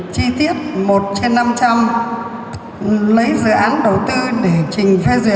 chi tiết một trên năm trăm linh